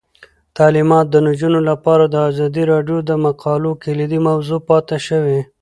تعلیمات د نجونو لپاره د ازادي راډیو د مقالو کلیدي موضوع پاتې شوی.